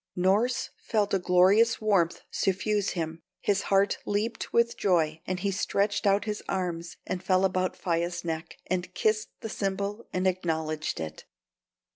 Norss felt a glorious warmth suffuse him, his heart leaped with joy, and he stretched out his arms and fell about Faia's neck, and kissed the symbol and acknowledged it.